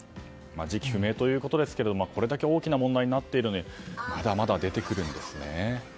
時期不明ということですがこれだけ大きな問題になっているのにまだまだ出てくるんですね。